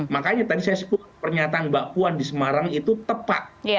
makanya tadi saya sebut pernyataan mbak puan di semarang itu tepat